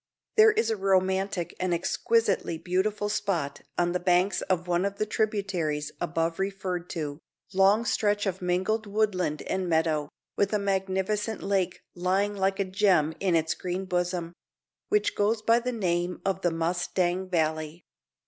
There is a romantic and exquisitely beautiful spot on the banks of one of the tributaries above referred to long stretch of mingled woodland and meadow, with a magnificent lake lying like a gem in its green bosom which goes by the name of the Mustang Valley.